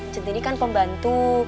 centini kan pembantu